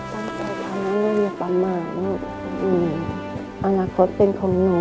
ต้องต้องรับนะหนูอย่าปล่ำเหมือนหนูอาณาคตเป็นของหนู